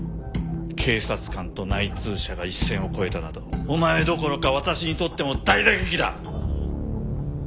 警察官と内通者が一線を越えたなどお前どころか私にとっても大打撃だ！